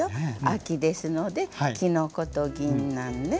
秋ですのできのことぎんなんね。